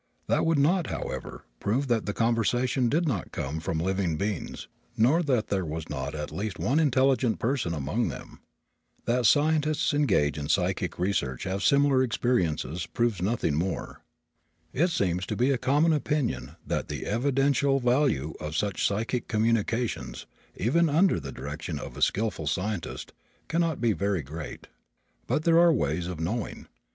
That would not, however, prove that the conversation did not come from living beings nor that there was not at least one intelligent person among them. That scientists engaged in psychic research have similar experiences proves nothing more. It seems to be a common opinion that the evidential value of such psychic communications, even under the direction of a skilful scientist, cannot be very great. But there are ways of knowing.